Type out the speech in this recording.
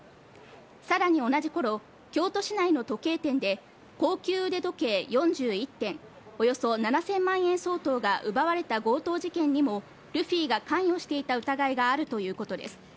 さらに同じ頃、京都市内の時計店で高級腕時計４１点、およそ７０００万円相当が奪われた強盗事件にもルフィが関与していた疑いがあるということです。